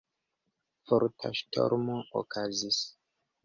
Forta ŝtormo okazis.